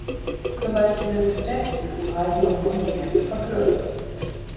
Zum Beispiel sind mit Jets die Flugreisen um rund die Hälfte verkürzt.